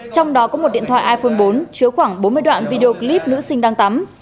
trong đó có một điện thoại iphone bốn chứa khoảng bốn mươi đoạn video clip nữ sinh đang tắm